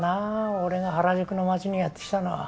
俺が原宿の街にやってきたのは。